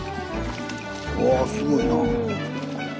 わぁすごいな。